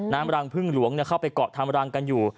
น้ำรังพึ่งหลวงเข้าไปเกาะทำรังกันอยู่